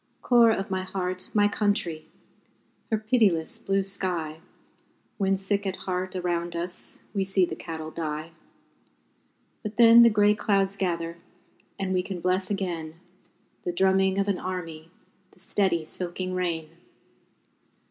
Core of my heart, my country! Her pitiless blue sky, When sick at heart, around us, We see the cattle die But then the grey clouds gather, And we can bless again The drumming of an army, The steady, soaking rain.